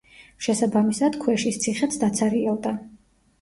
შესაბამისად, ქვეშის ციხეც დაცარიელდა.